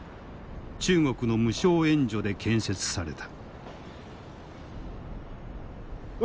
中国の無償援助で建設された。